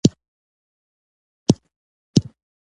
انګلیسي د ارتباطاتو ژبه ده